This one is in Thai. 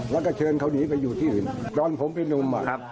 แล้วก็เชิญเขานีไปอยู่ที่หินจอนผมเป็นหนุ่มอ่ะครับ